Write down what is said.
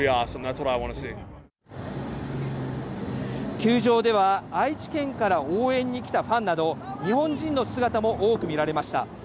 球場では愛知県から応援に来たファンなど日本人の姿も多く見られました。